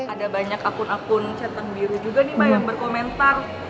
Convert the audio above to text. ada banyak akun akun ceteng biru juga nih mbak yang berkomentar